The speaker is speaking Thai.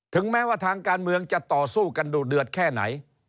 แม้ว่าทางการเมืองจะต่อสู้กันดูเดือดแค่ไหน